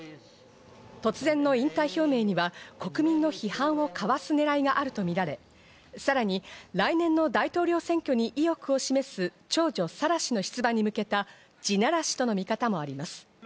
突然の引退表明には国民の批判をかわす狙いがあるとみられ、さらに来年の大統領選挙に意欲を示す長女・サラ氏の出馬に向けた地ならしとの見方もあります。